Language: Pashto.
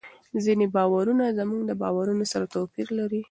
ځینې باورونه زموږ له باورونو سره توپیر لري.